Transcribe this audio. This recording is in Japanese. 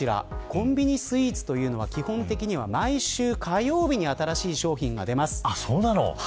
コンビニスイーツというのは基本的には毎週火曜日に新しい商品が出ます。